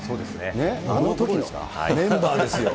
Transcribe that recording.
あのときのメンバーですよ。